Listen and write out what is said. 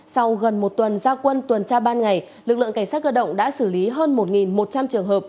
sau gần một tuần gia quân tuần tra ban ngày lực lượng cảnh sát cơ động đã xử lý hơn một một trăm linh trường hợp